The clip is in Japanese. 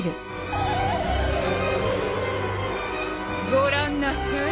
ご覧なさい